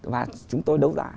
và chúng tôi đấu giá